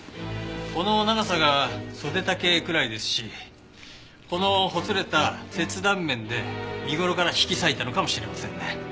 この長さが袖丈くらいですしこのほつれた切断面で身頃から引き裂いたのかもしれませんね。